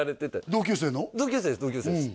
同級生です同級生です